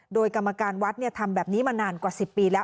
โดยกรรมการวัดทำแบบนี้มานานกว่า๑๐ปีแล้ว